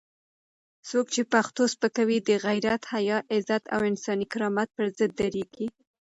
څوک چې پښتو سپکوي، د غیرت، حیا، عزت او انساني کرامت پر ضد درېږي.